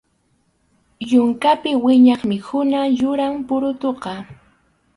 Yunkapi wiñaq mikhuna yuram purutuqa.